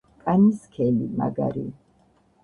კანი სქელი, მაგარი.